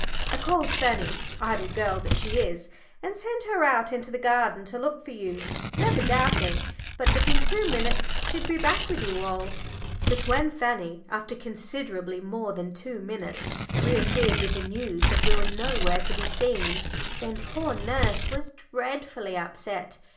I called Fanny, idle girl that she is, and sent her out into the garden to look for you, never doubting but that in two minutes she'd be back with you all." But when Fanny, after considerably more than two minutes, reappeared with the news that we were nowhere to be seen, then poor nurse was dreadfully upset.